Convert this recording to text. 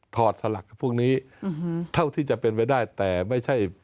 อดสลักพวกนี้เท่าที่จะเป็นไปได้แต่ไม่ใช่